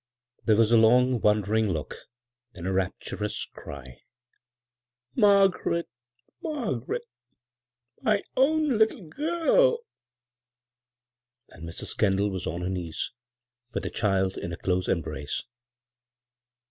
There was a long wondering look, then a rapturous cry. " Margaret — Margaret I — My own little girl I " And Mrs. Kendall was on her knees with the child in a dose embrace.